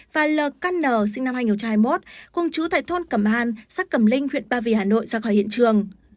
và lkn sinh năm hai nghìn hai mươi một cùng chú tại thôn cẩm an xác cẩm linh huyện ba vì hà nội ra khỏi hiện trường